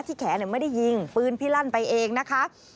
แขนไม่ได้ยิงปืนพี่ลั่นไปเองนะคะ